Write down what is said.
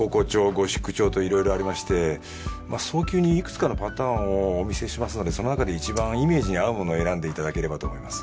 ゴシック調といろいろありまして早急にいくつかのパターンをお見せしますのでそのなかで一番イメージに合うものを選んでいただければと思います。